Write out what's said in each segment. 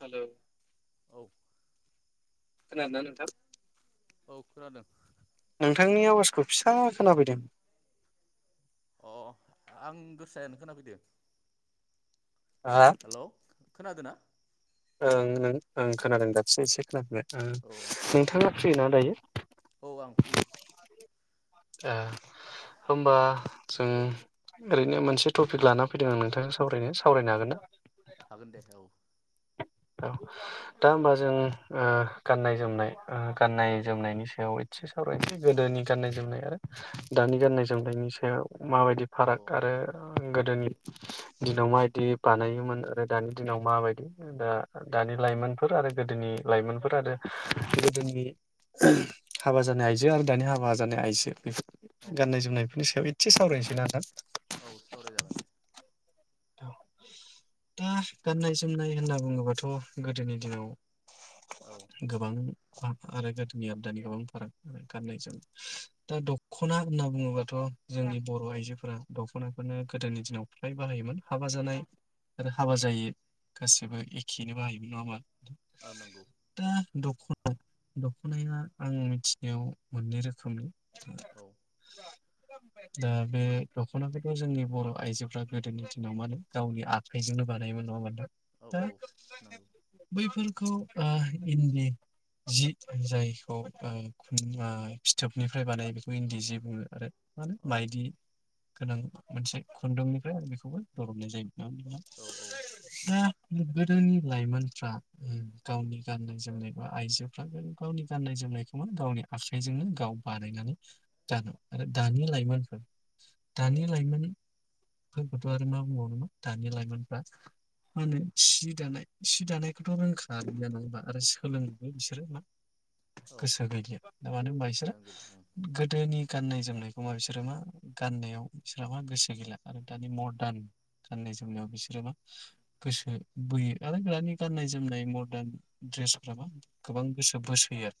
हेल औ खोनादो ना नोंथां? औ खोनादों। नोंथांनि आवाजखौ फिसा खोनाफैदों। अ अ आं गोसायानो खोनाफैदो। आ खोनादो ना? ओं नों ओं खोनादों दासो एसे खोनाफैबाय। ओ औ नोंथाङा फ्रि ना दायो? औ आं फ्रि। ए होमबा जों ओरैनो मोनसे टपिक लाना फैदों आं नोंथांजों सावरायनो सावरायनो हागोन ना? हागोन दे औ औ दा होमबा जों ओ गाननाय जोमनाय गाननाय जोमनायनि सायाव एसे सावरायनोसै गोदोनि गाननाय जोमनाय आरो दानि गाननाय जोमनायनि सायाव। माबायदि औ फाराग आरो गोदोनि दिनाव माबायदि बानायोमोन आरो दानि दिनाव माबायदि दा ओ दानि लाइमोनफोर आरो गोदोनि लाइमोनफोर आरो गोदोनि हाबा जानाय आइजो आरो दानि हाबा जानाय आइजो औ बेफोर गाननाय जोमनायफोरनि सायाव एसे सावरायनोसै [unintelligible] औ सावरायजागोन दे। दा गाननाय जोमनाय होनना बुङोबाथ' गोदोनि दिनाव औ गोबां आरो गोदोनि आरो दानि गोबां फाराग आरो गाननाय जोमनाय दा दखना होनना बुङोबाथ' जोंनि बर' औ आइजोफोरा दखनाखौनो गोदोनि दिनाव फ्राय बाहायोमोन। हाबा जानाय आरो हाबा औ जायि। गासिबो एखेनो बाहायोमोन नङा होमबा? औ नंगौ दा दख दखनाया आं मिथिनायाव मोननै रोखोमनि औ [inaudible] दा बे दख'नाफोरखौ जोंनि बर' आइजोफ्रा गोदोनि दिनाव मानो गावनि आखाइजोंनो बानायोमोन नङा होनबा नोंथां। औ औ दा नंगौ बैफोरखौ ओ इन्दि जि जायखौ ओ ओ फिथोबनिफ्राय बानायो बेखौ इन्दि जि बुङो आरो मानो औ माइदि गोनां मोनसे खुन्दुंनिफ्राय आरो बिखौबो बरननाय औ जायो। [unintelligible] गोदोनि लाइमोनफ्रा गावनि गाननाय जोमनाय बा आइजोफ्रा गावनि गाननाय जोमनायखौनो गावनि आखाइजोंनो गाव बानायनानै गानो आरो दानि लाइमोनफोर औ दानि लाइमोन फोरखोथ' आरो मा बुंबावनो न दानि लाइमोनफ्रा मा होनो सि दानाय सि दानायखौथ' रोंखागो नङा होमबा आरो सोलोङोबो बिसोरो मा औ गोसो गैलिया मानो होनबा इसोरो गोसोआनो गैला ओं गोदोनि गाननाय जोमनायखौ मा बिसोरो मा गाननायाव इसोरा मा गोसो गैला आरो दानि मदार्न गाननाय जोमनायाव बिसोरो मा गोसो बोयो आरो दानि गाननाय जोमनाय मदार्न ड्रेसफ्राबा गोबां गोसो बोसोयो आरो।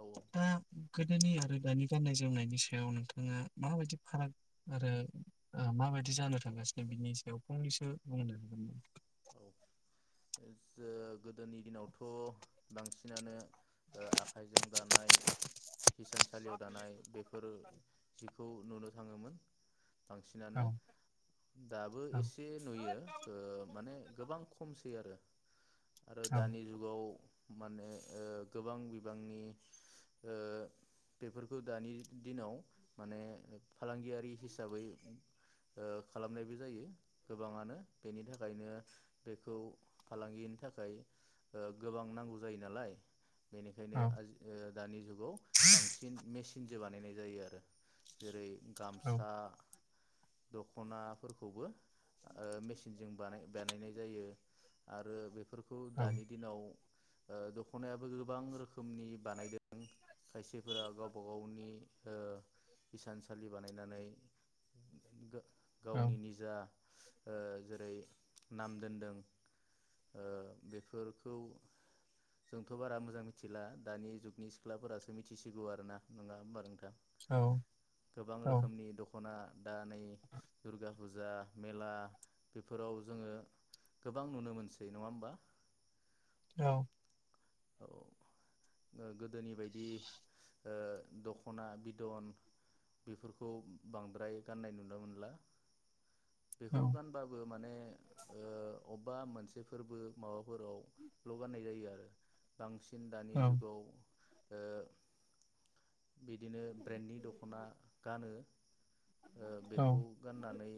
औ [unintelligible] गोदोनि आरो दानि गाननाय जोमनायनि सायाव नोंथाङा माबायदि फाराग आरो ओ माबायदि जानो थांगासिनो दा बिनि सायाव फंनैसो बुंनो हागोन नामा? ओ गोदोनि दिनावथ' बांसिनानो ओ आखाइजों दानाय हिसानसालियाव दानाय बेफोर जिखौ नुनो थाङोमोन। औ बांसिनानो दाबो औ एसे नुयो ओ माने खमसै आरो आरो औ दानि जुगाव माने ओ गोबां बिबांनि ओ बेफोरखौ दानि दिनाव माने फालांगियारि हिसाबै ओ खालामनायबो जायो गोबाङानो बेनि थाखायनो बेखौ फालांगिनि थाखाय ओ गोबां नांगौ जायो नालाय बेनिखायनो औ आजि ओ दानि जुगाव बांसिन मेसिन बानायनाय जायो आरो जेरै औ गामसा दखनाफोरखौबो ओ मेसिनजों बानाय बानायनाय जायो आरो बेफोर खौ औ दानि दिनाव ओ दख'नायाबो गोबां रोखोमनि बानायदों खायसेफोरा गावबा गावनि ओ इसानसालि बानायनानै। गो औ गावनि निजा ओ जेरै नाम दोनदों ओ बेफोरखौ जोंथ' बारा मोजां मिथिला दानि जुगनि सिख्लाफोरासो मिथिसिगौ आरोना नङा होमबा नोंथां? औ गोबां रोखोमनि दख'ना दा नै दुर्गा फुजा मेला बेफोराव जोङो गोबां नुनो मोनसै नङा होमबा? औ औ ओ गोदोनि बायदि ओ दख'ना बिदन बेफोरखौ बांद्राय गाननाय नुनो मोनला। औ बेखौ गानबाबो माने ओ अबेबा मोनस फोरबो माबा फोराव ल' गाननाय जायो आरो दांस सिन दानि जुगाव बिदिनो ब्रेन्डनि दख'ना गानो। ओ बेखौ गाननानै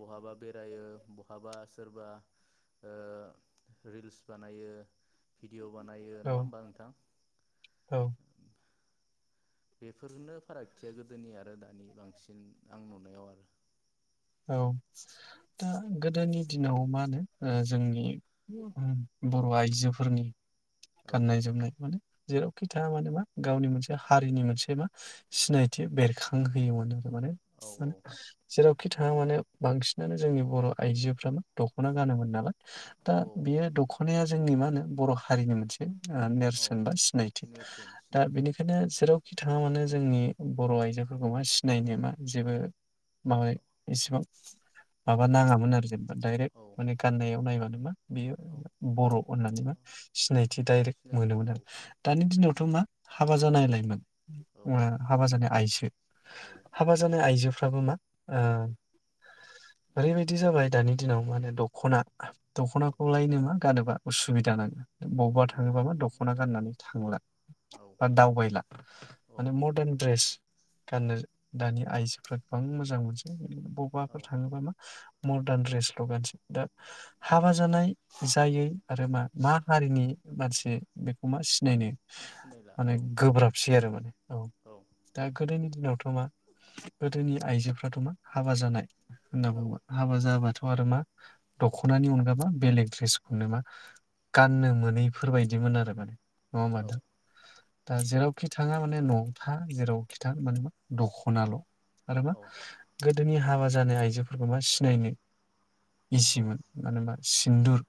बहाबा बेरायो बहाबा सोरबा ओ रिल्स बानायो। भिडिअ बानायो नङा होमबा नोंथां? औ बेफोरनो फारागथिया गोदोनि आरो दानि बांसिन आं नुनायाव आरो औ दा गोदोनि दिनाव मा होनो ओ जोंनि बर' आइजोफोरनि गाननाय औ जोमनाय माने जेरावखि थाया माने मा गावनि मोनसे हारिनि मोनसे मा सिनायथि बेरखांहोयोमोन आर माने औ माने जेराव खि थाङा माने बांसिनानो जोंनि बर' आइजोफ्रा मा दख'ना गानोमोन नालाय। दा औ बियो दख'नाया जोंनि मा होनो बर' हारिनि मोनसे आ नेरसोन बा औ सिनायथि नेरसोन दा सिनायथि औ बेनिखायनो जेराव खि थाङा मानो जोंनि बर' आइजोफोरखौ मा सिनायनो मा जेबो माबा एसेबां माबा नाङामोन आरो जेन डाइरेक्ट औ माने गाननायाव नायबानो बेयो औ बर' होननानै मा औ सिनायथि दडाइरेक्ट सिनायोमोन मोनोमोन औ आरो औ दानि दिनावथ' मा हाबा जानायलायमोन औ हाबा जानाय आइस औ हाबा जानाय आइजो फ्राबो मा ओ ओरैबायदि जाबाय दानि दिनाव माने दख'ना ओ दख'नाखौ लायनो मा गानोबा उसुबिदा नांगो औ बबावबा उसुबिदा औ थाङोबाबो दखना गाननानै थांला औ बा दावबायला औ माने मदार्न द्रेस गाननो दानि आइजोफ्रा गोबां मोजां मोनो [unintelligible] औ बबाफोर थाङोबा मा - मर्दार्न दड्रेसल गानसै दा हाबा जानाय जायै आरो मा मा हारिनि मानसै बेखौ मा सि नायनो सिनायला माने औ गोब्राबसै आरो माने औ दा गोदोनि दिनावथ मा गोदोनि आइजोफोर [unintelligible] मा? हाबा जानाय होनना बुंङो हाबा जाबाथ आरो मा दखनानि अनगाबा बेलेग द्रेसखौनो मा गाननो मोनैफोर बायदिमोन आरो माने औ माथो दा जेरावखि थाङा माने नखथा जेरावखि था माने मा दख'नाल आरो मा औ जोंनि हाबा जानाय आइजोफोरखौ मा सिनायनो औ इजिमोन मानो [unintelligible] इन्दुर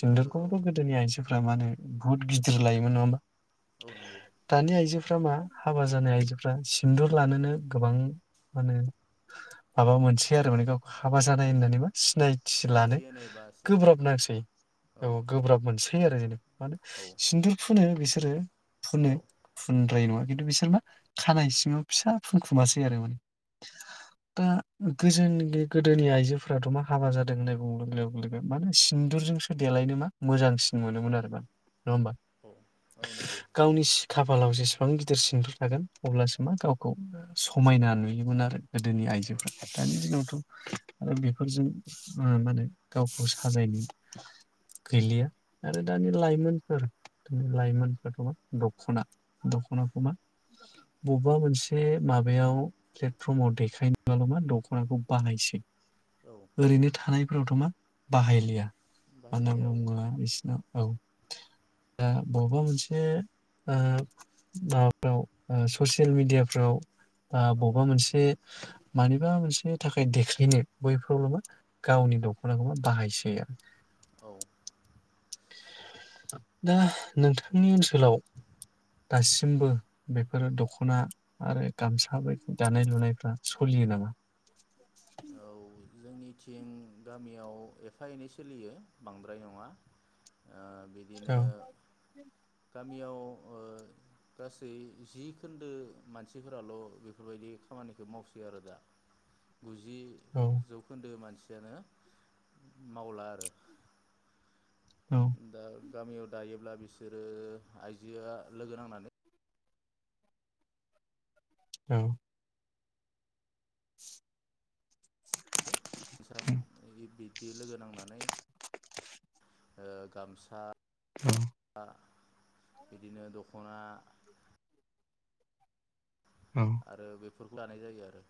सिन्दुर औ गोदोनि आइजोफ्रा मा होनो? गुहुत गिदिर लायोमोन नङा होमबा औ नंगौ दानि आइजोफ्रा मा? हाबा जानाय आइजोफ्रा सिन्दुर लानोनो गोबां मानो माबा मोनसै आरो माने गावखौ हाबा औ जानाय होननानैबो मा सिनायथि लानो होनो बासै गोब्राब नांसै औ गोब्राब मोनसै थि आरो मानो औ सिन्दुर फोनो बेसो सोरो औ फुनो फुनद्राय नङा खिन्थु बिसोर मा खानाय सिङाव फिसा फुनखुमासै आरो माने दा गोजोनि गोदोनि आइजोफोराथ मा हाबा जादों होननाय बुं लोगो लोगो मा सिन्दुरजोंसो देलायनो मा मोजांसिन मोनोमोन आरो मा नङा होमबा औ नंगौ गावनि सिखा खाफालाव जेसेबां गिदिर सिरनदु थागोन अब्लासो मा गावखौ समायना नुयोमोन आरो गोदोनि औ आइजोफ्रा दानि दिनावथ आरो बेफोरजों माने गावखौ साजायनो गैलिया आरो दानि लाइमोनफोर लाइमोनफोराथ मा दख'ना दख'नाखौ मा बबेबा मोनसे माबायाव प्लेटफर्म समाव देखायनोबाल मा दखनाखौ बाहायसै औ ओरैनो थानाय फोरावथ' मा बाहायलिया मानो होनना बाहायलियाव बुङोब्ला बिसनाव औ दा बबेबा मोनसे माबाफ्राव ससियेल मेडियाफ्राव दा औ बबेबा मोनसे मानिबा मोनसेनि थाखाय देख्लायनो बैफोरावल' बो गावनि दख'नाखौबा बाहायसै आरो औ दा नोंथांनि ओनसोलाव दासिमबो बेफोर दख'ना आरो गामसा बायदि दानाय लुनायफ्रा सोलियो नामा? औ जोंनिथिं गामियाव एफा एनै सोलियो बांद्राय नङा ओ औ बिदिनो गामियाव गासै जि खोन्दो मानसिफोराल' बेफोरबायदि खामानिखौ मावसै आरो दा। गुजि औ जौ मानसियानो मावला आरो दा गामियाव दायोब्ला बिसोरो आइजोआ लोगो नांनानै औ थिस्राम ओय बिदि लोगो नांनानै ओ गामसा आ बिदिनो दख'ना औ आरो बे फोरखौ लानाय जायो आरो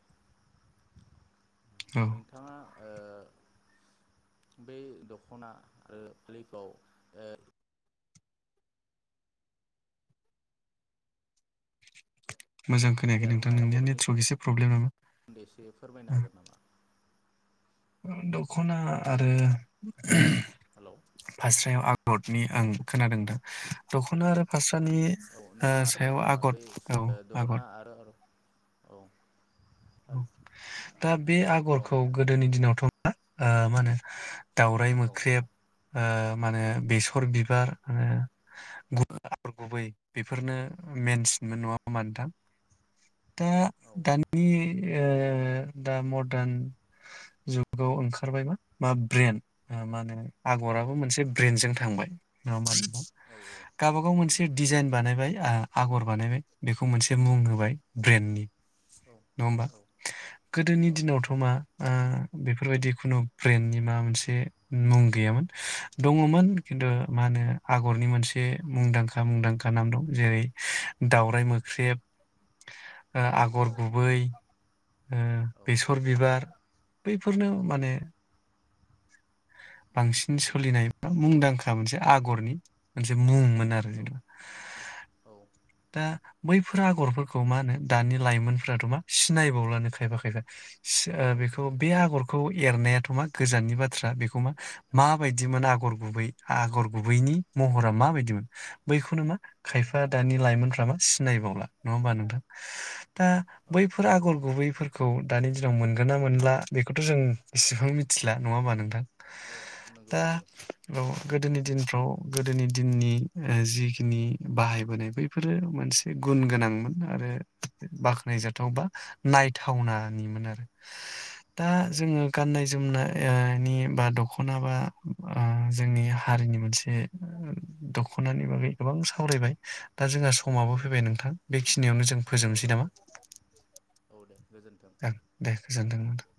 औ नोंथाङा ओ बे दख'ना आरो फालिखौ ओ मोजां खोनायाखै नोंथां एरनाय नोंनिया आगरनि नेटवर्क सोमोन्दै एसे प्रब्लेम एसे फोरमायनो नामा। हागोन नामा दख'ना आरो हेलौ फास्रायाव आ अटनि आं खोनादों थां। खौनो आरो फास्रा तानि औ नोंथाङा फोरमायनो सायाव हागोन नामा आगर बे औ ओ दख'ना आगर आरो औ। फालि दा बे औ आगरखौ गोदोनि दिनावथ' ओ मा होनो दावराय औ मोख्रेब। मा होनो बेसर बिबार गुबै बेफोरनो मेनसिनमोन नङा होमा नोंथां। दा औ दानि एयो दा मरदान जुगाव ओंखारबाय मा ब्रेेनड मा होनो आगराबो ब्रेन्ड मोनसे ब्रेन्दजों थांबाय। [unintelligible] औ औ गावबा गाव नंगौ मोनसे डिजाइन बानायबाय। आगर बानायबाय बेखौ मोनसे मुं होबाय ब्रेन्डनि। नङा औ। गोदोनि औ दिनावथ' मा ओ बेफोरबायदि खुनु ब्रेन्डनि मा मोनसे मुं गैयामोन दङमोन खिन्थु औ मा होनो आगरनि मोनसे मुंदांखा मुंदांखा नाम दं जेरै दावराइ मोख्रेब ओ औ आगर गुबै। ओ औ बेसर बिबार बैफोरनो माने औ बांसिन सोलिनाय मुंदांखा मोनसे आगरनि मोनसे मुं मोन। ना आरो जेनबा औ दा बैफोर आगरफोरखौ मा होनो दानि लाइमोनफोराथ' मा सिनायबावलानो खायफा खायफा। सि ओ औ बेखौ बे सिनायला आगरखौ एरनायाथ' मा गोजाननि बाथ्रा बे मा माबायदिमोन आगर गुबै आगर गुबैनि महरा माबायदिमोन बैखौनो मा औ खायफा दानि लाइमोनफ्रा मा सिनायबावला नङा होमबा नोंथां? दा औ बैफोर आगर गुबैफोर खौ दानि दिनाव मोनगोन ना मोनला बेखौथ' जों एसेबां मिथिला नङा होमबा नोंथां? औ नंगौ दा नंगौ औ गोदोनि दिनफ्राव गोदोनि दिननि ओ जिखिनि बाहायबोनाय बैफोरो मोनसे गुन गोनांमोन आरो बाख्नायजाथाव बा नायथावनानिमोन आरो दा औ जोङो गाननाय जोमना ओनि बा दख'ना बा ओ जोंनि हारिनि मोनसे दख'नानि बागै गोबां सावरायबाय दा जोंहा समाबो औ फैबाय नोंथां बेखिनियावनो जों औ फोजोबनोसै नामा? नंगौ औ दे गोजोन्थों ओं दे गोजोनथों नोंथां।